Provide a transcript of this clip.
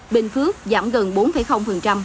bình phước giảm gần bốn